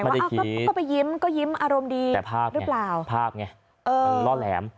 ว่าก็ไปยิ้มยิ้มอารมณ์ดีแต่ภากง่ะหรือเปล่าภากไงล่อแหลม